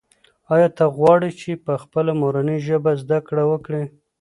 آیا ته غواړې چې په خپله مورنۍ ژبه زده کړه وکړې؟